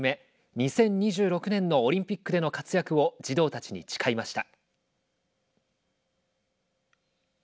２０２６年のオリンピックでの活躍を児童たちに誓いました。